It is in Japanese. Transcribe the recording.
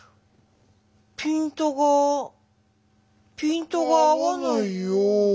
ピントがぁピントが合わないよぅ。